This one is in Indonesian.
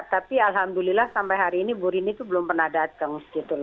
tapi alhamdulillah sampai hari ini bu rini itu belum pernah datang